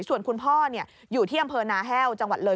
ส่วนคุณพ่ออยู่ที่อำเภอนาแห้วจังหวัดเลย